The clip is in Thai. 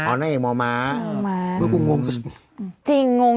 เมื่อกูงง